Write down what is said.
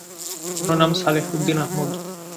পূর্ণ নাম সালেহ উদ্দিন আহমদ।